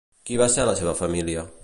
Qui va ser la seva família?